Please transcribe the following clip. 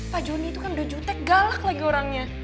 pak joni itu kan udah jutek galak lagi orangnya